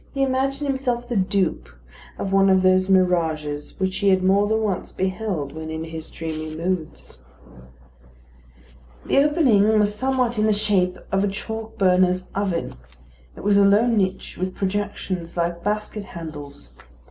He imagined himself the dupe of one of those mirages which he had more than once beheld when in his dreamy moods. The opening was somewhat in the shape of a chalk burner's oven. It was a low niche with projections like basket handles.